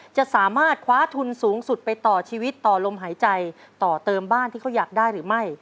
จะสามารถคว้าทุนสูงสุดไปต่อชีวิตต่อลมหายใจต่อเติมบ้านที่เขาอยากได้หรือไม่